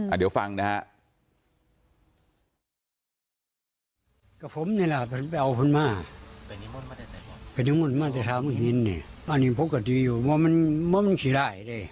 เดี๋ยวฟังนะฮะ